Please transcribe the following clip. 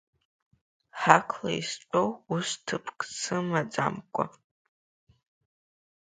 Ҳақла истәу ус ҭыԥк сымаӡамкәо?